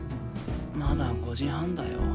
まだ５時半だよ。